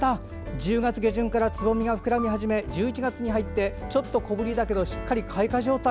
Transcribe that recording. １０月の下旬からつぼみが膨らみ始めて１１月に入って小ぶりだけどしっかり開花状態。